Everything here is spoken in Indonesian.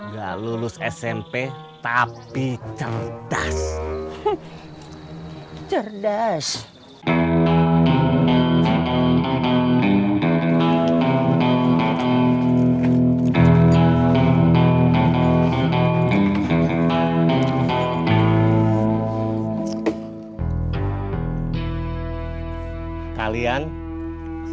gak lulus smp tapi cerdas